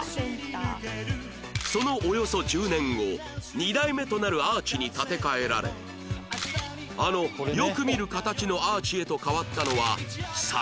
そのおよそ１０年後２代目となるアーチに建て替えられあのよく見る形のアーチへと変わったのは３代目から